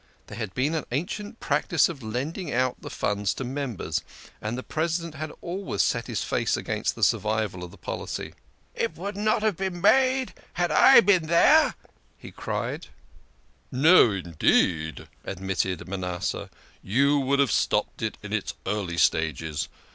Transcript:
There had been an ancient practice of lending out the funds to members, and the President had always set his face against the survival of the policy. " It would not have been made had I been there !" he cried. "SORTING HIS COLLECTION OF PRINTS." "No, indeed," admitted Manasseh. "You would have stopped it in its early stages.